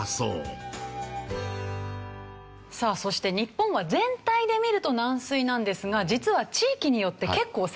さあそして日本は全体で見ると軟水なんですが実は地域によって結構差があるんですよね。